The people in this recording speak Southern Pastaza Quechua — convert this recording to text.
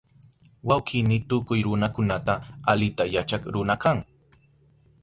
Wawkini tukuy ruranakunata alita yachak runa kan